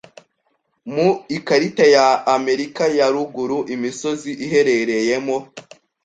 Mu ikarita ya Amerika ya ruguru imisozi iherereyemo